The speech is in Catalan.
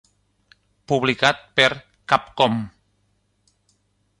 Publicat per Capcom.